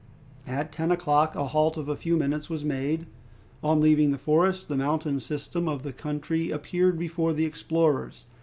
At ten o'clock a halt of a few minutes was made. On leaving the forest, the mountain system of the country appeared before the explorers.